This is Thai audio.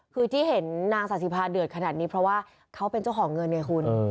คือที่เห็นนางศาสิภาเดือดขนาดนี้เพราะว่าเขาเป็นเจ้าของเงินไงคุณ